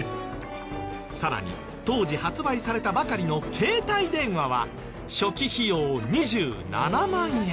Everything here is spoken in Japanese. さらに当時発売されたばかりの携帯電話は初期費用２７万円。